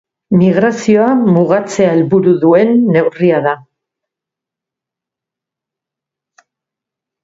Migrazioa mugatzea helburu duen neurria da.